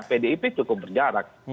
pdip cukup berjarak